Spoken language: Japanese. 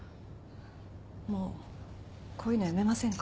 もうこういうのやめませんか？